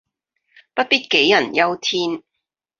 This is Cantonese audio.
不必杞人憂天